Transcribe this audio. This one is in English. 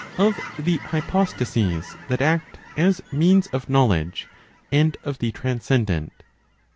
Of the Hypostases that Act as Means of Knowledge, and of the Transcendent.